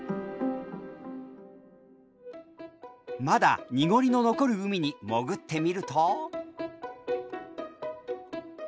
まだ濁りの残る海に潜ってみると。